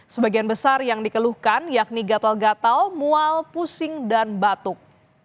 sebagian besar yang dikeluhkan yakni gatal gatal mual pusing dan batuk